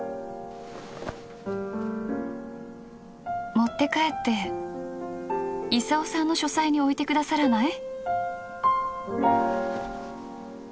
持って帰って功さんの書斎に置いてくださらない？